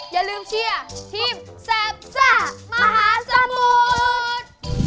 อย่าลืมเชื่อทีมแซ่บซ่ามหาสมุทร